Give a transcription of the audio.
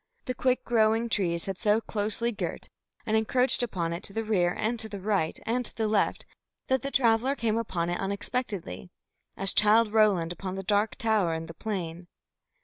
The quick growing trees had so closely girt and encroached upon it to the rear and to the right and to the left, that the traveller came upon it unexpectedly, as Childe Roland upon the Dark Tower in the plain.